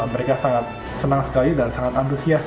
mereka sangat senang sekali dan sangat antusias